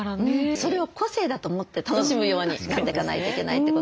それを個性だと思って楽しむようにしていかないといけないってことですよね。